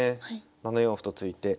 ７四歩と突いて。